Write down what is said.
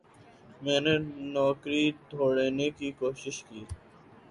میں نے نوکری ڈھوڑھنے کی کوشش کی۔